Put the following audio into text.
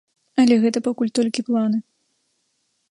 Але гэта пакуль толькі планы.